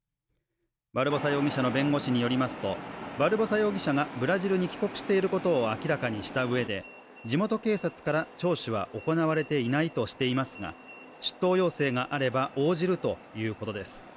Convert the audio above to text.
バルボサ容疑者の弁護士によりますと、バルボサ容疑者がブラジルに帰国していることを明らかにしたうえで、地元警察から聴取は行われていないとしていますが、出頭要請があれば応じるということです。